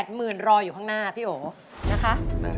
หมื่นรออยู่ข้างหน้าพี่โอนะคะ